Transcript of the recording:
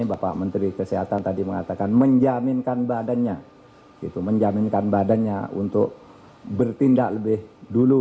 bapak menteri kesehatan tadi mengatakan menjaminkan badannya menjaminkan badannya untuk bertindak lebih dulu